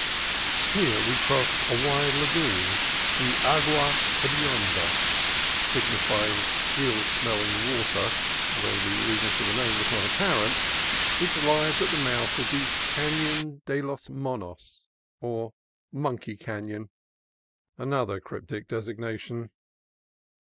Here we crossed a wide lagoon, the Agua Hedionda (signifying ill smelling water, though the reason for the name was not apparent), which lies at the mouth of the Canon de los Monos (or Monkey Canon, an 42 CALIFORNIA COAST TRAILS other cryptic designation).